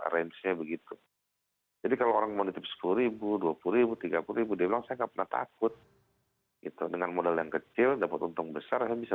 rangsnya begitu jadi kalau orang mau nitip sepuluh dua puluh ribu tiga puluh ribu dia bilang saya nggak pernah takut gitu dengan modal yang kecil dapet untung berbeda